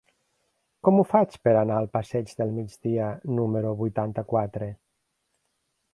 Com ho faig per anar al passeig del Migdia número vuitanta-quatre?